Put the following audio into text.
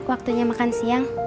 waktunya makan siang